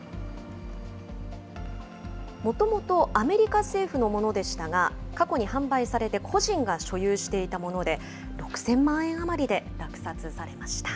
もともとアメリカ政府のものでしたが、過去に販売されて個人が所有していたもので、６０００万円余りで落札されました。